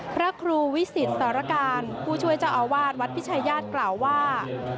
พระครูวิสิตสารการผู้ช่วยเจ้าอาวาสวัดพิชายาทกล่าวว่า